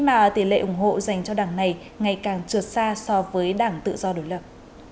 mà tỷ lệ ủng hộ dành cho đảng này ngày càng trượt xa so với đảng tự do đối lập